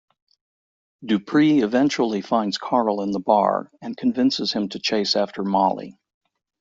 Dupree eventually finds Carl in the bar, and convinces him to chase after Molly.